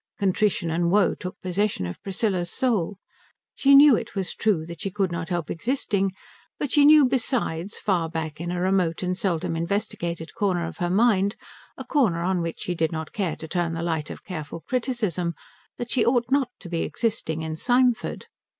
Contrition and woe took possession of Priscilla's soul. She knew it was true that she could not help existing, but she knew besides, far back in a remote and seldom investigated corner of her mind, a corner on which she did not care to turn the light of careful criticism, that she ought not to be existing in Symford.